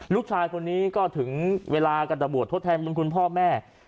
ลูกชายคนนี้ก็ถึงเวลาก็จะบวชทดแทนบุญคุณพ่อแม่